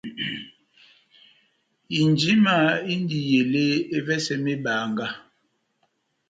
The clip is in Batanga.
Injima indi ele ́evɛsɛ mebanga.